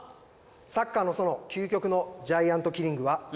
「サッカーの園」究極のジャイアントキリングは。